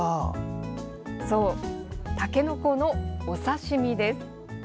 そう、たけのこのお刺身です。